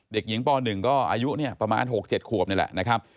เด็กหญิงป๑ก็อายุเนี่ยประมาณ๖๗ขวบนี่แหละนะครับ